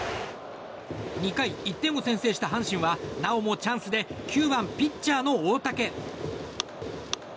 ２回、１点を先制した阪神はなおもチャンスで９番、ピッチャーの大竹。